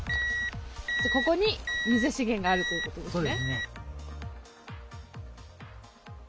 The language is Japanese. ここに水資源があるということですね。